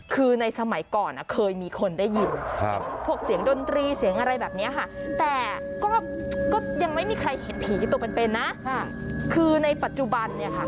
คือในปัจจุบันเนี่ยค่ะ